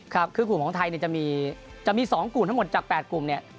ครับคือกลุ่มของไทยเนี่ยจะมี๒กลุ่มทั้งหมดจาก๘กลุ่มเนี่ย